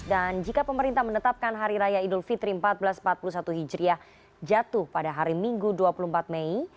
dan jika pemerintah menetapkan hari raya idul fitri seribu empat ratus empat puluh satu hijriah jatuh pada hari minggu dua puluh empat mei